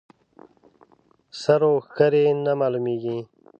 سر و ښکر یې نه معلومېږي.